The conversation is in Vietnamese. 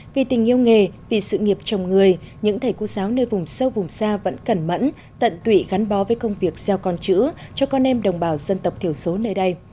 vì tình yêu nghề vì sự nghiệp chồng người những thầy cô giáo nơi vùng sâu vùng xa vẫn cẩn mẫn tận tụy gắn bó với công việc gieo con chữ cho con em đồng bào dân tộc thiểu số nơi đây